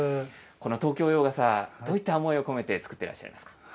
この東京洋傘、どういった思いを込めて作ってらっしゃいます